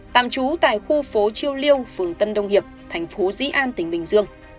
tạm trú tại khu phố chiêu liêu phường tân đông hiệp thành phố dĩ an tỉnh bình dương